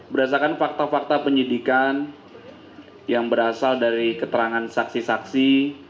berdasarkan fakta fakta penyidikan yang berasal dari keterangan saksi saksi